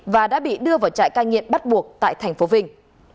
và đã bị đưa vào trại cai nghiện bắt buộc tại thành phố vinh